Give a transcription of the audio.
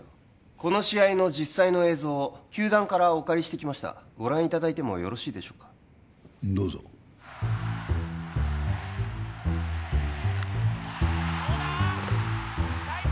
この試合の実際の映像を球団からお借りしてきましたご覧いただいてもよろしいでしょうかどうぞどうだ